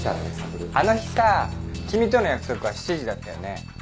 あの日さ君との約束は７時だったよね。